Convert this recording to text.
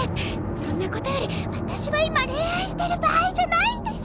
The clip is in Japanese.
そんなことより私は今恋愛してる場合じゃないんです！